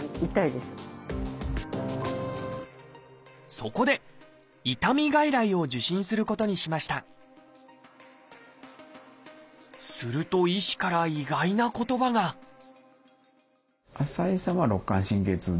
そこで痛み外来を受診することにしましたすると医師から意外な言葉がって一体何？